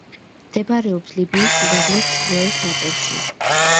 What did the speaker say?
მდებარეობს ლიბიის უდაბნოს ჩრდილოეთ ნაწილში.